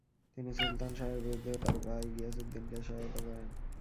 তিনি সুলতান শাহের বিরুদ্ধে তার ভাই গিয়াসউদ্দিনকে সহায়তা করেন।